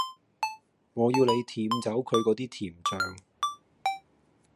我要你舔走佢果啲甜醬